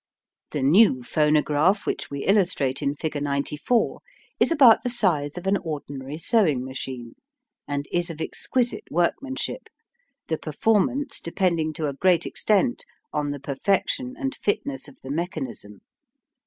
The new phonograph, which we illustrate in figure 94, is about the size of an ordinary sewing machine, and is of exquisite workmanship, the performance depending to a great extent on the perfection and fitness of the mechanism.